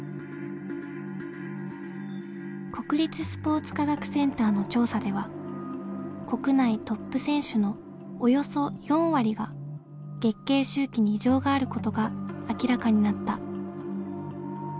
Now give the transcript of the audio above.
国立スポーツ科学センターの調査では国内トップ選手のおよそ４割が月経周期に異常があることが明らかになった。